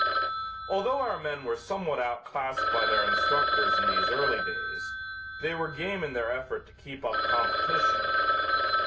Although our men were somewhat outclassed by their instructors in these early days, they were game in their effort to keep up competition.